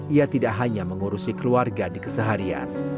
ia tidak hanya mengurusi keluarga di keseharian